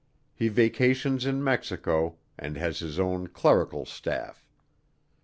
He vacations in Mexico and has his own clerical staff.